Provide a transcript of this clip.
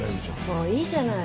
もういいじゃない。